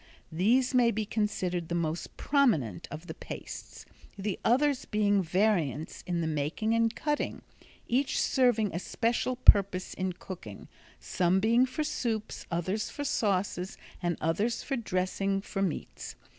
These may be considered the most prominent of the pastes, the others being variants in the making and cutting, each serving a special purpose in cooking, some being for soups, others for sauces and others for dressing for meats.